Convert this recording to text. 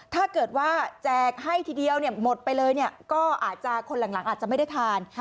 ถ้าเกิดว่าแจกให้ทีเดียวหมดไปเลยเนี่ยก็อาจจะคนหลังอาจจะไม่ได้ทาน